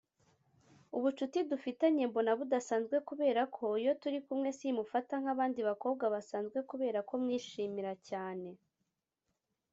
” Ubucuti dufitanye mbona budasanzwe kubera ko iyo turi kumwe simufata nk'abandi bakobwa basanzwe kubera ko mwishimira cyane